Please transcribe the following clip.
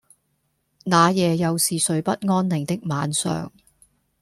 那夜又是睡不安寧的晚上